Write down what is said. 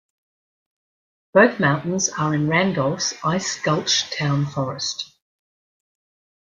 Both mountains are in Randolph's Ice Gulch Town Forest.